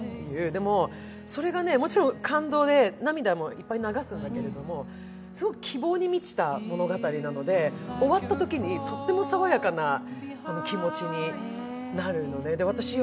でもそれが、もちろん感動で涙もいっぱい流すんだけれども、すごく希望に満ちた物語なので終わったときにとっても爽やかな気持ちになるのね。